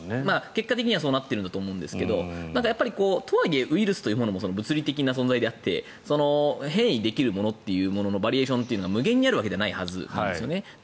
結果的にはそうなっていると思うんですがとはいえウイルスというのも物理的な存在で変異できるもののバリエーションは無限にあるわけじゃないはずなんですよね。